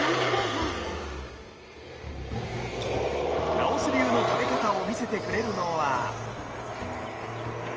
ラオス流の食べ方を見せてくれるのは。